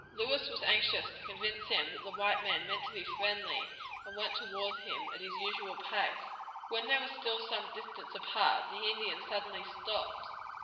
Lewis was anxious to convince him that the white men meant to be friendly, and went toward him at his usual pace. When they were still some distance apart the Indian suddenly stopped.